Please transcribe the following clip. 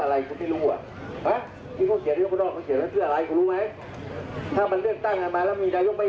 ถ้ามันเลือกตั้งถึงมาแล้วมีนายกไม่ได้ก็ต้องเป็นตัวออกคลองลอดแต่หาเรื่องออกมา